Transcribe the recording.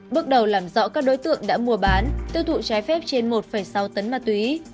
bước đầu làm rõ các đối tượng đã mua bán tiêu thụ trái phép trên một sáu tấn ma túy